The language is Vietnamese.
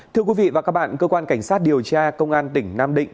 thưa quý vị và các bạn cơ quan cảnh sát điều tra công an tỉnh nam định